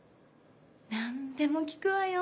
何でも聞くわよ